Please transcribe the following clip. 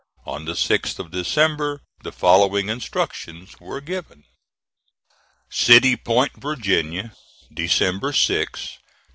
On the 6th of December, the following instructions were given: "CITY POINT, VIRGINIA, December 6, 1864.